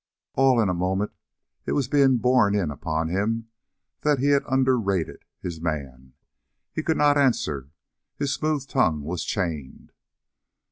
All in a moment it was being borne in upon him that he had underrated his man. He could not answer. His smooth tongue was chained.